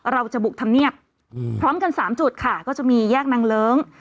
เราจะบุกธรรมเนียบพร้อมกัน๓จุดค่ะก็จะมีแยกนางเลิ้ง